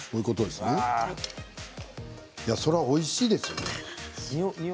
そりゃ、おいしいですよね。